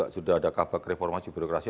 sudah ada kabak reformasi birokrasi